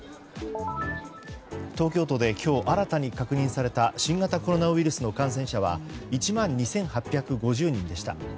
東京都で今日新たに確認された新型コロナウイルスの感染者は１万２８５０人でした。